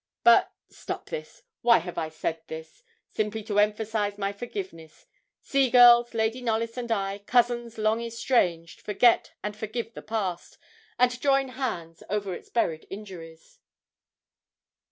But stop this. Why have I said this? simply to emphasize my forgiveness. See, girls, Lady Knollys and I, cousins long estranged, forget and forgive the past, and join hands over its buried injuries.'